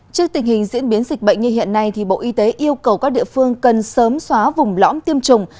trước tình hình diễn biến dịch bệnh như hiện nay bộ y tế yêu cầu các địa phương cần sớm xóa vùng lõm tiêm chủng